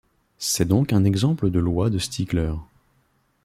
C'est donc un exemple de loi de Stigler.